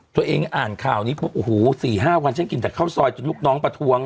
ตัวเองอ่านข่าวนี้ปุ๊บโอ้โห๔๕วันฉันกินแต่ข้าวซอยจนลูกน้องประท้วง